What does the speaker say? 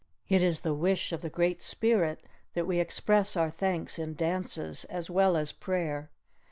It is the wish of the Great Spirit that we express our thanks in dances as well as prayer.